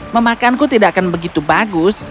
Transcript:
memakanku tidak akan begitu bagus